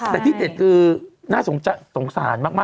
แต่ที่เด็ดคือน่าสงสารมาก